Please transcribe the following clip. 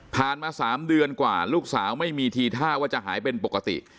มา๓เดือนกว่าลูกสาวไม่มีทีท่าว่าจะหายเป็นปกติ